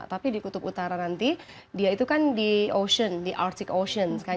tapi di kutub utara nanti dia itu kan di ocean di artic ocean